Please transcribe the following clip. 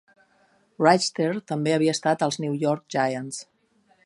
Wrighster també havia estat als New York Giants.